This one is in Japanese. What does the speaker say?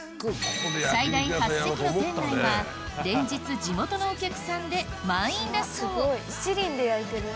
最大８席の店内は連日地元のお客さんで満員だそうしちりんで焼いてる？